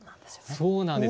そうなんです。